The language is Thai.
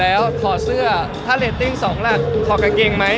แล้วก็อย่างเมื่อแรตติ้ง๒จางแล้วเคาะกางเกงไหม